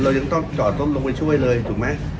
เรายังต้องจอดต้องลงไปช่วยเลยถูกไหม